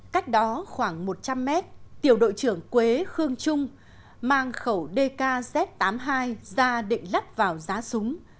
cách đó khoảng một trăm linh mét tiểu đội trưởng quế khương trung mang khẩu dkz tám mươi hai ra định lắp vào giá súng